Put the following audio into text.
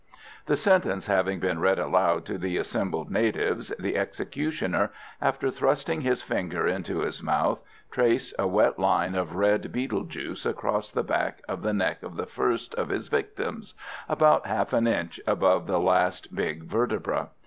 The sentence having been read aloud to the assembled natives, the executioner, after thrusting his finger into his mouth, traced a wet line of red betel juice across the back of the neck of the first of his victims, about half an inch above the last big vertebra.